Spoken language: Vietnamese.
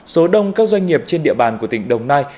số đông các doanh nghiệp trên địa bàn của tỉnh đồng nai